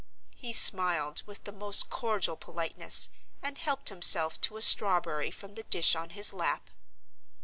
He smiled with the most cordial politeness, and helped himself to a strawberry from the dish on his lap.